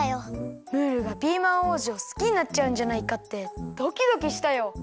ムールがピーマン王子をすきになっちゃうんじゃないかってドキドキしたよ！